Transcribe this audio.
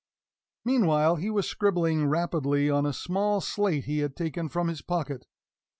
Meanwhile he was scribbling rapidly on a small slate he had taken from his pocket.